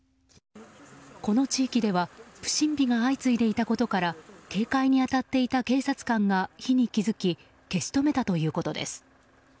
この地域では不審火が相次いでいたことから警戒に当たっていた警察官が火に気づき消し止めたということです。